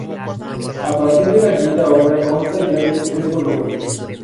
A partir de la quinta la obra consta ya de tres volúmenes.